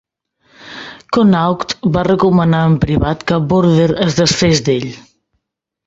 Connaught va recomanar en privat que Borden es desfés d'ell.